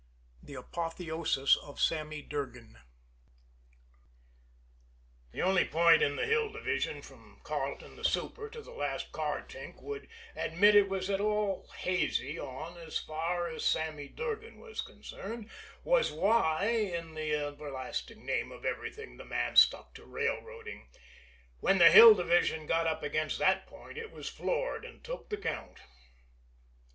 III THE APOTHEOSIS OF SAMMY DURGAN The only point the Hill Division, from Carleton, the super, to the last car tink, would admit it was at all hazy on as far as Sammy Durgan was concerned, was why in the everlasting name of everything the man stuck to railroading. When the Hill Division got up against that point it was floored and took the count.